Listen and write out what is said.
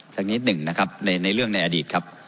สักนิดหนึ่งนะครับในเรื่องในอดีตครับ